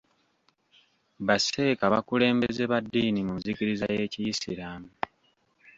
Ba sseeka bakulembeze ba ddiini mu nzikiriza y'ekiyisiraamu.